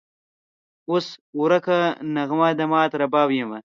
اوس ورکه نغمه د مات رباب یمه